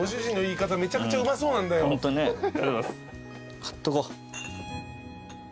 買っとこう。